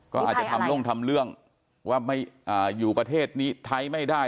ก็อาจจะทำลงทำเรื่องว่าอยู่ประเทศนี้ไทยไม่ได้